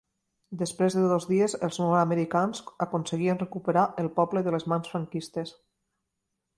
Després de dos dies, els nord-americans aconseguien recuperar el poble de les mans franquistes.